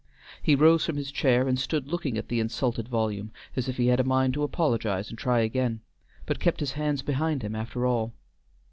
He rose from his chair and stood looking at the insulted volume as if he had a mind to apologize and try again, but kept his hands behind him after all.